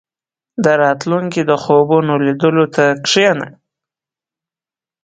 • د راتلونکي د خوبونو لیدلو ته کښېنه.